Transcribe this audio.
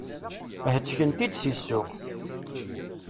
Hettken-t-id si ssuq.